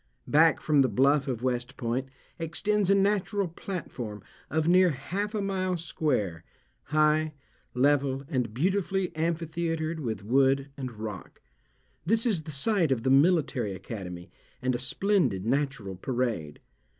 Back from the bluff of West Point extends a natural platform of near half a mile square, high, level, and beautifully amphitheatred with wood and rock. This is the site of the Military Academy, and a splendid natural parade.